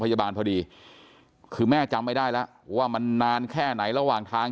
พอดีคือแม่จำไม่ได้แล้วว่ามันนานแค่ไหนระหว่างทาง